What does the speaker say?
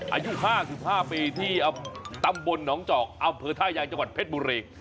อายุ๕๕ปีที่ตำบลหนองจอกอำเภอท่ายางจังหวัดเพชรบุรี